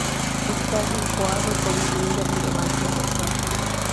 Está incoado como bien de relevancia local.